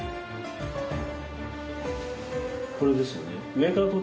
これですよね。